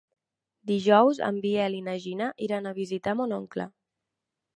Dijous en Biel i na Gina iran a visitar mon oncle.